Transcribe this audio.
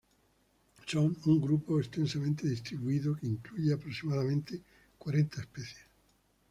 Son un grupo extensamente distribuido que incluye aproximadamente cuarenta especies.